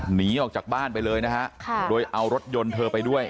หนีออกจากบ้านไปเลยนะฮะโดยเอารถยนต์เธอไปด้วย